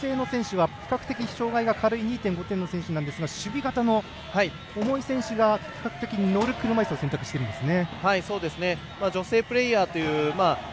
オーストラリアの女性の選手は比較的障がいが軽い２．５点の選手なんですが障がいの重い選手が、比較的に乗る車いすを選択しているんですね。